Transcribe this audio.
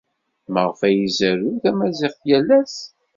Maɣef ay izerrew tamaziɣt yal ass?